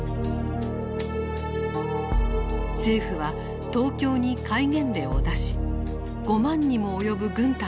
政府は東京に戒厳令を出し５万にも及ぶ軍隊に治安維持を委ねた。